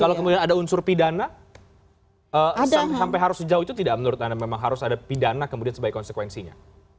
kalau kemudian ada unsur pidana sampai harus sejauh itu tidak menurut anda memang harus ada pidana kemudian sebagai konsekuensinya